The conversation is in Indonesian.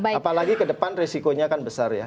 apalagi ke depan resikonya kan besar ya